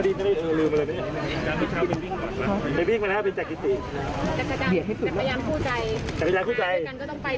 แต่ว่าเวลาเป็นตอบภารกิจสี่นะคะ